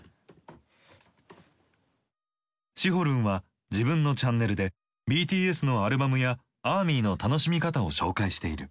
シホるんは自分のチャンネルでＢＴＳのアルバムやアーミーの愉しみ方を紹介している。